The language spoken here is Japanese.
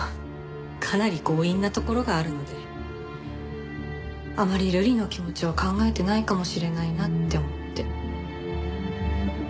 かなり強引なところがあるのであまりルリの気持ちを考えてないかもしれないなって思って。